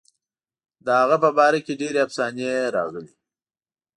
د هغه په باره کې ډېرې افسانې راغلي.